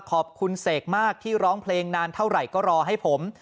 ขอบคุณเสกมากที่ร้องเพลงนานเท่าไหร่ก็รอให้ผม